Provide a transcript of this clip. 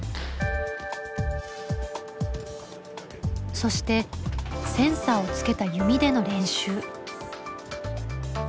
そしてセンサーをつけた弓での練習。